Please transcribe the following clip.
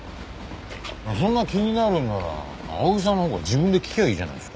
そんなに気になるんなら青柳さんのほうから自分で聞きゃあいいじゃないですか。